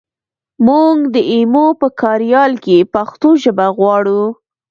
مونږ د ایمو په کاریال کې پښتو ژبه غواړو